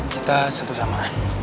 kita satu samaan